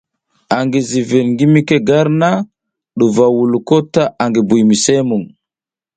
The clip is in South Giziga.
Angi zivir ngi mike cek na ɗuva wuluko ta angi Buymisemuŋ.